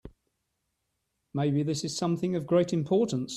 Maybe this is something of great importance.